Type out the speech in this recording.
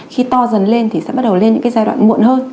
khi to dần lên thì sẽ bắt đầu lên những cái giai đoạn muộn hơn